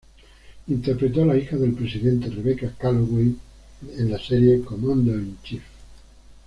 Interpretó a la hija del presidente, Rebecca Calloway, en la serie "Commander in Chief".